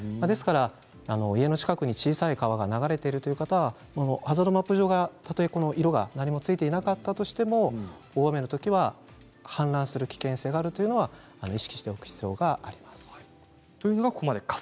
家の近くに小さい川が流れている方はハザードマップ上は何も色がついていなかったとしても大雨のときは氾濫する危険性があるということは意識しておく必要があります。